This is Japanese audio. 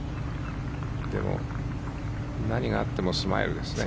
でも、何があってもスマイルですね。